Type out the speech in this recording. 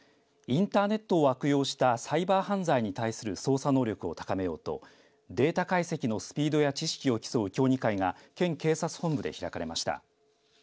インターネットを悪用したサイバー犯罪に対する捜査能力を高めようとデータ解析のスピードや知識を競う競技会が県警察本部で開かれました。